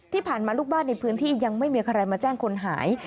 ที่ผ่านมาลูกบ้านในพื้นที่ยังไม่มีใครมาแจ้งคนหาย